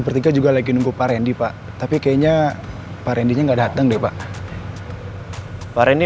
bertiga juga lagi nunggu pak rendy pak tapi kayaknya pak rendy gak dateng deh pak pak rendy